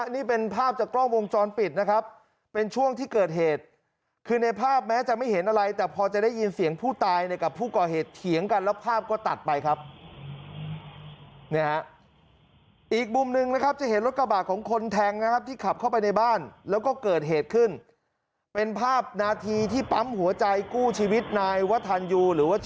นี่เป็นภาพจากกล้องวงจรปิดนะครับเป็นช่วงที่เกิดเหตุคือในภาพแม้จะไม่เห็นอะไรแต่พอจะได้ยินเสียงผู้ตายเนี่ยกับผู้ก่อเหตุเถียงกันแล้วภาพก็ตัดไปครับเนี่ยอีกมุมหนึ่งนะครับจะเห็นรถกระบาดของคนแทงนะครับที่ขับเข้าไปในบ้านแล้วก็เกิดเหตุขึ้นเป็นภาพนาทีที่ปั๊มหัวใจกู้ชีวิตนายวทันยูหรือว่า